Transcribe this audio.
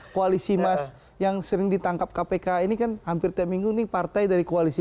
koalisi mas yang sering ditangkap kpk ini kan hampir tiap minggu nih partai dari koalisi